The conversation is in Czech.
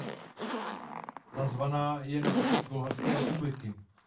Nazvána je na počest Bulharské republiky.